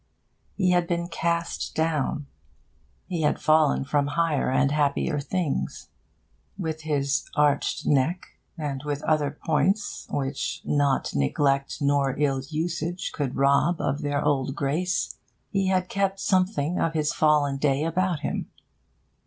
He had been cast down. He had fallen from higher and happier things. With his 'arched neck,' and with other points which not neglect nor ill usage could rob of their old grace, he had kept something of his fallen day about him.